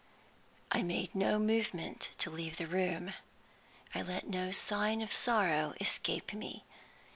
I MADE no movement to leave the room; I let no sign of sorrow escape me.